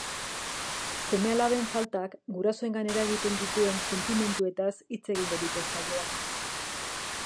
Seme-alaben faltak gurasoengan eragiten dituen sentimenduetaz hitz egingo dute saioan.